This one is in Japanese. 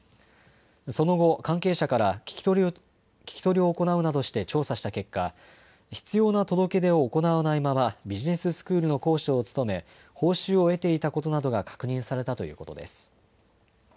その後、関係者から聞き取りを行うなどして調査した結果、必要な届け出を行わないままビジネススクールの講師を務め報酬を得ていたことなどが確認されたということです。